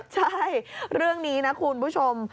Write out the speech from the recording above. ใช่เรื่องนี้นะคุณผู้ชม